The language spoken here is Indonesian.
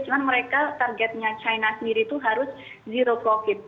cuman mereka targetnya china sendiri itu harus zero covid